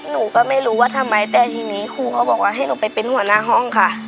หนูก็ไม่รู้ว่าทำไมแต่ทีนี้ครูเขาบอกว่าให้หนูไปเป็นหัวหน้าห้องค่ะ